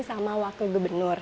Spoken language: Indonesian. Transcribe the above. sama wakil gubernur